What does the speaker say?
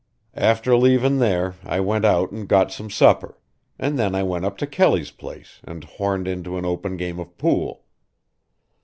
"After leavin' there I went out and got some supper, and then I went up to Kelly's place and horned into an open game of pool.